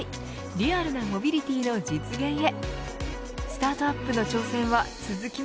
リアルなモビリティの実現へ。